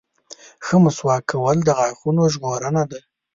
• ښه مسواک کول د غاښونو ژغورنه ده.